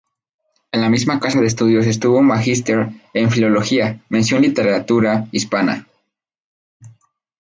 En la misma casa de Estudios obtuvo un Magíster en Filología, mención Literatura Hispánica.